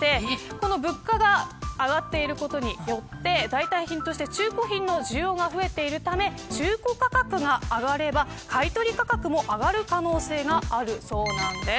この物価が上がっていることによって代替品として中古品の需要が増えているため中古価格が上がれば買い取り価格も上がる可能性があるそうです。